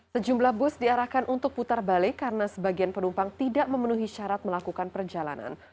sejumlah bus diarahkan untuk putar balik karena sebagian penumpang tidak memenuhi syarat melakukan perjalanan